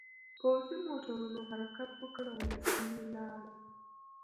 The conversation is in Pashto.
پوځي موټرونو حرکت وکړ او له سیمې لاړل